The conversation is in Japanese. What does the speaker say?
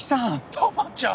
玉ちゃん！